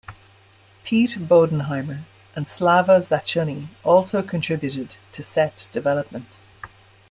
Pete Bodenheimer and Slava Zatchuny also contributed to set development.